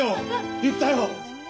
言ったよ！